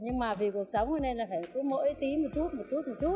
nhưng mà vì cuộc sống nên là phải cứ mỗi tí một chút một chút một chút